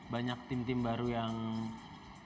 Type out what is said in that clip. banyak tim tim baru yang